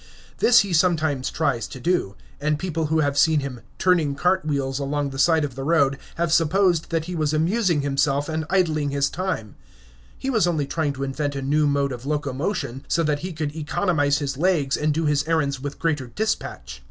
This he sometimes tries to do; and people who have seen him "turning cart wheels" along the side of the road have supposed that he was amusing himself, and idling his time; he was only trying to invent a new mode of locomotion, so that he could economize his legs and do his errands with greater dispatch.